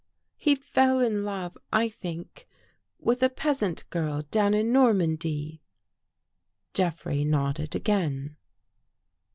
" He fell in love, I think, with a peasant girl down in Normandy." Jeffrey nodded again.